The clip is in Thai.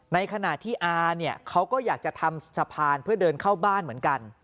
ในขณะที่อาเนี่ยเขาก็อยากจะทำสะพานเพื่อเดินเข้าบ้านเหมือนกัน